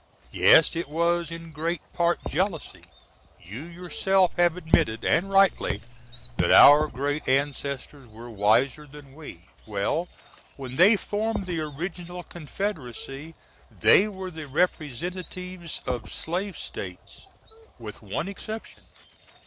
Yes, it was in great part jealousy. You yourself have admitted (& rightly) that our great Ancestors were wiser than we. Well when they formed the Original Confed^y they were the Rep's of Slave States, with one exception.